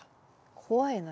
怖いな。